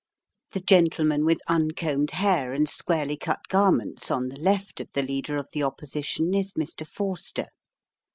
The gentleman with uncombed hair and squarely cut garments on the left of the Leader of the Opposition is Mr Forster.